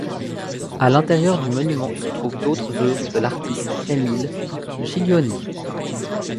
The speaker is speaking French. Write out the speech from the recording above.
À l'intérieur du monument se trouvent d’autres œuvres de l’artiste Émile Gilioli.